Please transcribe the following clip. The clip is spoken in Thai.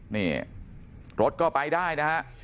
นี่รถก็ไปได้นะฮะ